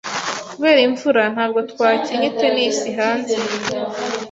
Kubera imvura, ntabwo twakinnye tennis hanze.